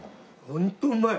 ホントうまい！